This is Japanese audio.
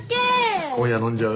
今夜飲んじゃう？